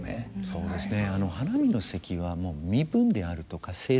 そうですね。